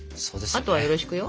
あとはよろしくよ。